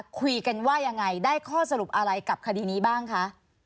คุยกันว่ายังไงได้ข้อสรุปอะไรกับคดีนี้บ้างคะ